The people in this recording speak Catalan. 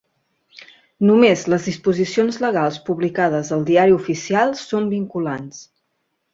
Només les disposicions legals publicades al Diari Oficial són vinculants.